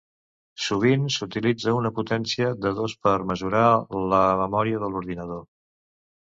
Sovint s'utilitza una potència de dos per mesurar la memòria de l'ordinador.